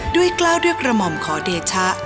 กล้าวด้วยกระหม่อมขอเดชะ